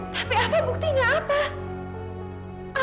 tapi apa buktinya apa